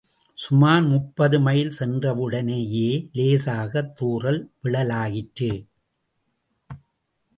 சுமார் முப்பது மைல் சென்றவுடனேயே லேசாகத் தூறல் விழலாயிற்று.